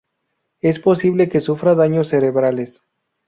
Es posible que sufra daños cerebrales.